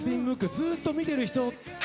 ずーっと見てる人。